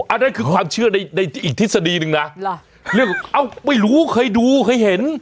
อันนั้นคือความเชื่อในอีกทฤษฎีนึงนะไม่รู้เคยดูเคยเห็น